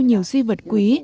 nhiều di vật quý